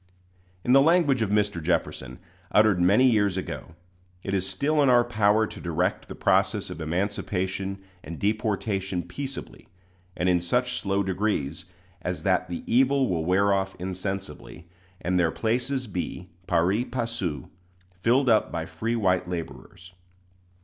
In the language of Mr. Jefferson, uttered many years ago, "It is still in our power to direct the process of emancipation and deportation peaceably, and in such slow degrees, as that the evil will wear off insensibly; and their places be, pari passu, filled up by free white laborers.